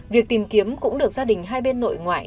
việc tìm kiếm cũng được gia đình hai bên nội ngoại